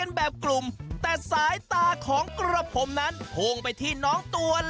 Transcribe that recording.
เป็นแบบกลุ่มแต่สายตาของกระผมนั้นพุ่งไปที่น้องตัวละ